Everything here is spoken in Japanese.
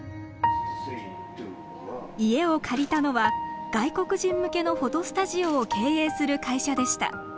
家を借りたのは外国人向けのフォトスタジオを経営する会社でした。